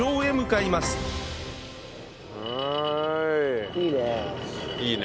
いいね。